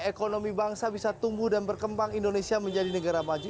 ekonomi bangsa bisa tumbuh dan berkembang indonesia menjadi negara maju